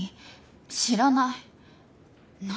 知らない何？